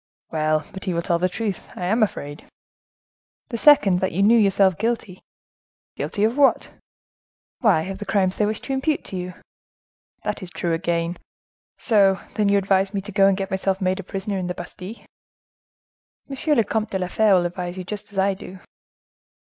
"Well! but he will tell the truth,—I am afraid." "The second, that you knew yourself guilty." "Guilty of what?" "Why, of the crimes they wish to impute to you." "That is true again. So, then, you advise me to go and get myself made a prisoner in the Bastile?" "M. le Comte de la Fere would advise you just as I do."